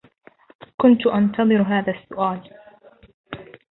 كنت أنتظر هذا السؤال.